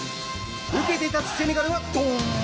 受けて立つセネガルは、ドーン！